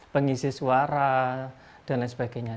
pengisi suara dan lain sebagainya